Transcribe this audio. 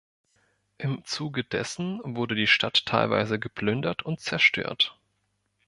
Im Zuge dessen wurde die Stadt teilweise geplündert und zerstört.